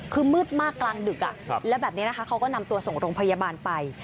คือมืดมากกลางดึกแล้วแบบนี้นะคะเขาก็นำตัวส่งโรงพยาบาลไป